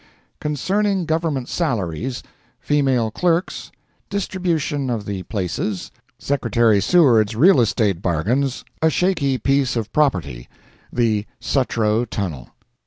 ] Concerning Government Salaries—Female Clerks—Distribution of the Places—Secretary Seward's Real Estate Bargains—A Shaky Piece of Property—The Sutro Tunnel.